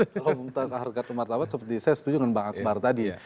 kalau tentang harkat martabat seperti saya setuju dengan bang akbar tadi